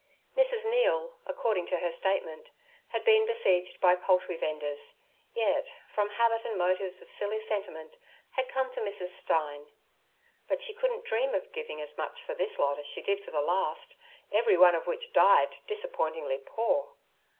Mrs. Neal, according to her statement, had been besieged by poultry vendors, yet, from habit and motives of silly sentiment, had come to Mrs. Stein. But she couldn't dream of giving as much for this lot as she did for the last, every one of which died disappointingly poor.